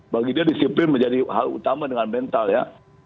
bagi dia disiplin menjadi hal utama dengan mental ya